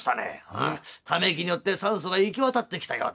「うんため息によって酸素が行き渡ってきたようだ。